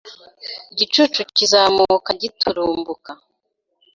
Igicucu kizamuka giturumbuka